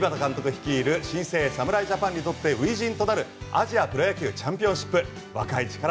率いる新生侍ジャパンにとって初陣となるアジアプロ野球チャンピオンシップ。